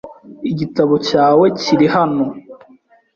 Igitabo cyawe kiri hano .